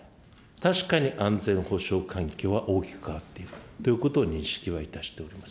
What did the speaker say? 確かに安全保障環境は大きく変わっているということを認識はいたしております。